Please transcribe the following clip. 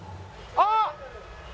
あっ！